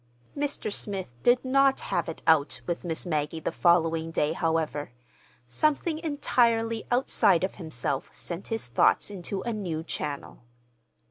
Mr. Smith did not "have it out" with Miss Maggie the following day, however. Something entirely outside of himself sent his thoughts into a new channel.